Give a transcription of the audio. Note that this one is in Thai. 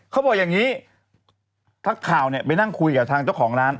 เขาบอกอย่างนี้นักข่าวเนี่ยไปนั่งคุยกับทางเจ้าของร้าน